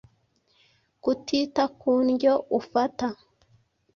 Kutita ku ndyo ufata